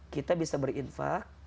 kita bisa berinfak